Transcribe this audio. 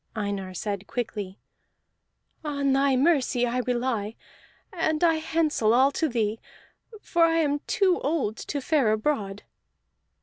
Einar said quickly: "On thy mercy I rely, and I handsel all to thee, for I am too old to fare abroad."